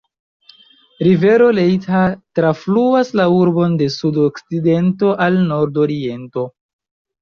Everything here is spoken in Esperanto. Rivero Leitha trafluas la urbon de sud-okcidento al nord-oriento.